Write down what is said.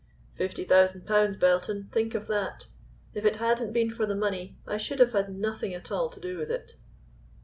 Fifty thousand pounds, Belton, think of that. If it hadn't been for the money I should have had nothing at all to do with it."